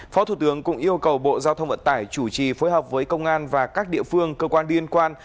phó thủ tướng cũng yêu cầu bộ giao thông vận tải chủ trì phối hợp với công an và các địa phương cơ quan liên quan